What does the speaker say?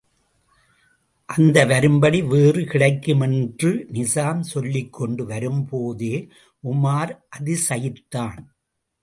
அந்த வரும்படி வேறு கிடைக்கும் என்று நிசாம் சொல்லிக்கொண்டு வரும்போதே உமார் அதிசயித்தான்.